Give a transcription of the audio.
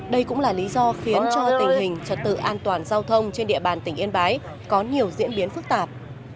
đây cũng là lý do khiến cho tình hình trật tự an toàn giao thông trên địa bàn tỉnh yên bái có nhiều diễn biến phức tạp